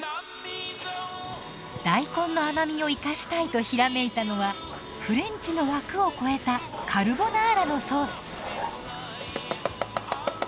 大根の甘みを生かしたいとひらめいたのはフレンチの枠を超えたカルボナーラのソース。